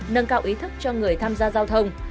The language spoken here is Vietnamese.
nâng cao ý thức cho người tham gia giao thông